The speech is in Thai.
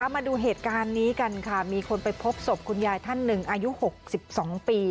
มาดูเหตุการณ์นี้กันค่ะมีคนไปพบศพคุณยายท่านหนึ่งอายุ๖๒ปี